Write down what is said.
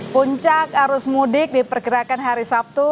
puncak arus mudik diperkirakan hari sabtu